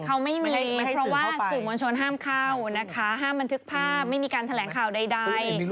เขาไม่มีเพราะว่าสื่อมวลชนห้ามเข้านะคะห้ามบันทึกภาพไม่มีการแถลงข่าวใด